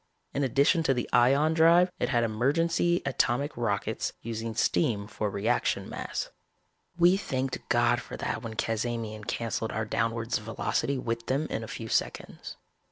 In addition to the ion drive it had emergency atomic rockets, using steam for reaction mass. We thanked God for that when Cazamian canceled our downwards velocity with them in a few seconds.